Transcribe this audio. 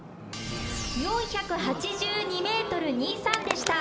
４８２．２３ｍでした。